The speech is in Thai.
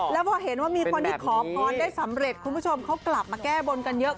แล้วพอเห็นว่ามีคนที่ขอพรได้สำเร็จคุณผู้ชมเขากลับมาแก้บนกันเยอะ